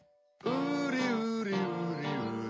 ウリウリウリウリ